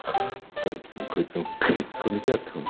どいつもこいつも首突っ込んできやがって。